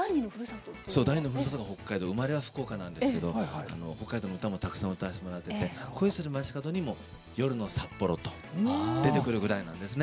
生まれは福岡なんですけど北海道の歌もたくさん歌わせてもらってて「恋する街角」にも「夜の札幌」と出てくるぐらいなんですよね。